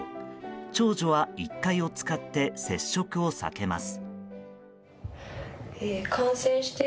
長女は１階を使って接触を避けます。